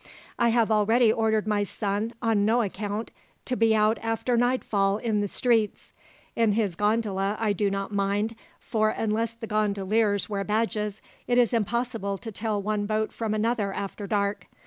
"I have already ordered my son, on no account, to be out after nightfall in the streets. In his gondola I do not mind, for unless the gondoliers wear badges, it is impossible to tell one boat from another after dark.